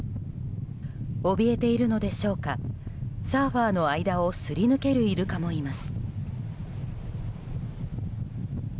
おびえているのでしょうかサーファーの間をすり抜けるイルカもいます。